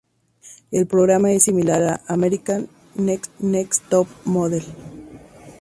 El programa es similar a "America's Next Top Model".